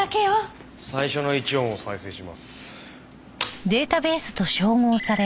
最初の１音を再生します。